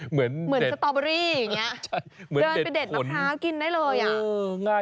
เหมือนสตอเบอรี่อย่างนี้เดินไปเด็ดมะพร้าวกินได้เลยอ่ะ